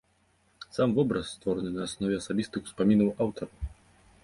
Сам вобраз створаны на аснове асабістых успамінаў аўтараў.